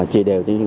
chỉ để tắm biển